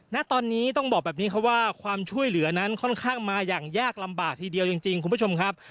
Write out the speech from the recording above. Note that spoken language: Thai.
ณตอนนี้ต้องบอกแบบนี้ครับว่าความช่วยเหลือนั้นค่อนข้างมาอย่างยากลำบากทีเดียวจริงคุณผู้ชมครับ